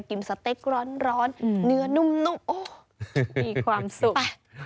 สเต็กร้อนเนื้อนุ่มโอ้มีความสุข